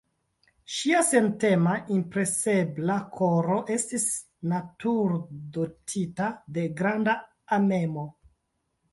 Ŝia sentema, impresebla koro estis naturdotita de granda amemo.